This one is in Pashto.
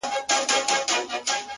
• په سپينه زنه كي خال ووهي ويده سمه زه،